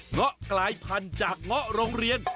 ง๊อกรายพันธุ์จากง๊อโรงเรียน